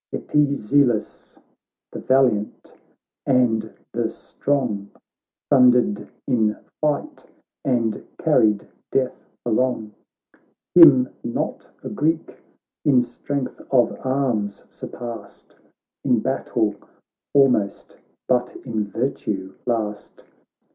Epizelus, the valiant and the strong, Thundered in fight, and carried death along ; Him. not a Greek in strength of arms surpassed. In battle foremost, but in virtue last.